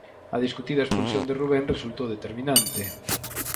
A discutida expulsión de Rubén resultou determinante.